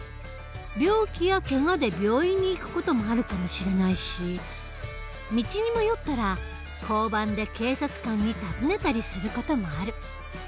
病気やけがで病院に行く事もあるかもしれないし道に迷ったら交番で警察官に尋ねたりする事もある。